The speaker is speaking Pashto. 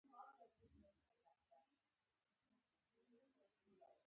څوکې د قلم، قلم کرمه